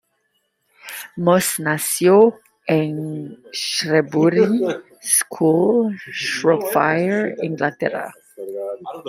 Moss nació en Shrewsbury School, Shropshire, Inglaterra.